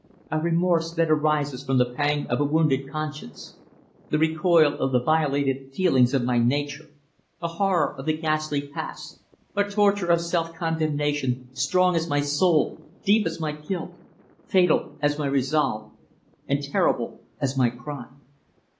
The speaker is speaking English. "A remorse that arises from the pang of a wounded conscience, the recoil of the violated feelings of my nature, a horror of the ghastly past, a torture of self condemnation strong as my soul, deep as my guilt, fatal as my resolve, and terrible as my crime."